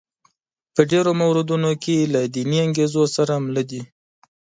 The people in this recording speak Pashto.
په ډېرو موردونو کې له دیني انګېزو سره مله دي.